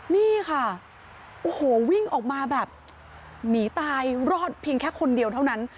นี่ค่ะโอ้โหวิ่งออกมาแบบหนีตายรอดเพียงแค่คนเดียวเท่านั้น